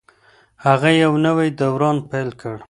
هغه یو نوی دوران پیل کړ.